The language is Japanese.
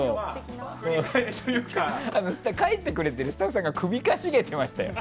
書いてくれているスタッフさんが首をかしげてましたよ。